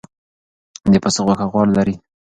د پسه غوښه غوړ لري.